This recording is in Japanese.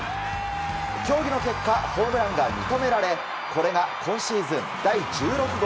協議の結果ホームランが認められこれが今シーズン第１６号。